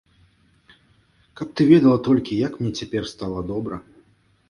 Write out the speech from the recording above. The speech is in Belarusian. Каб ты ведала толькі, як мне цяпер стала добра!